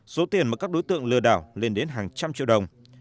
số tiền mà các đối tượng lừa đảo lên đến hàng trăm triệu đồng